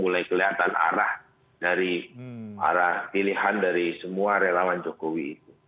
mulai kelihatan arah dari arah pilihan dari semua relawan jokowi itu